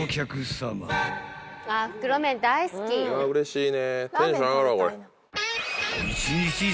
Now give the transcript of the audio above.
うれしいね。